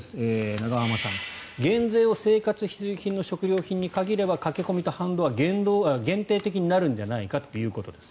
永濱さん、減税を生活必需品の食料品に限れば駆け込みと反動は限定的になるんじゃないかということです。